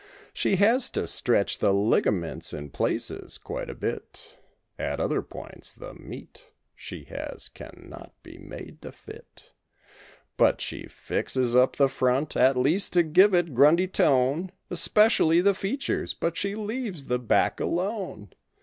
She has to stretch the ligaments in places, quite a bit ; At other points the "meat" she has can not be made to fit. But she fixes up the front, at least, to give it Grundy tone, Especially the features, but she leaves the back alone.